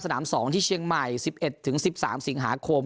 ๒ที่เชียงใหม่๑๑๑๑๓สิงหาคม